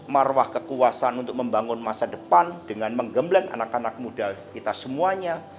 marwah kekuasaan untuk membangun masa depan dengan menggembleng anak anak muda kita semuanya